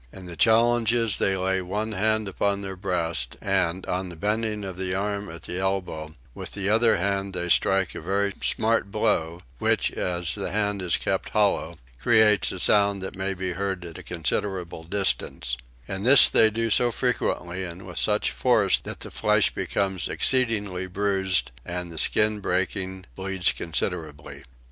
In the challenges they lay one hand upon their breast and, on the bending of the arm at the elbow, with the other hand they strike a very smart blow which, as the hand is kept hollow, creates a sound that may be heard at a considerable distance; and this they do so frequently and with such force that the flesh becomes exceedingly bruised and, the skin breaking, bleeds considerably.